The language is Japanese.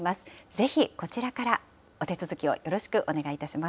ぜひこちらからお手続きをよろしくお願いいたします。